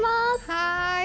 はい。